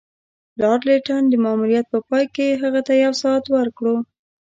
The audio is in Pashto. لارډ لیټن د ماموریت په پای کې هغه ته یو ساعت ورکړ.